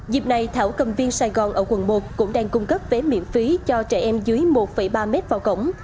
dịp này thảo cầm viên sài gòn ở quận một cũng đang cung cấp vé miễn phí cho trẻ em dưới một ba m vào cổng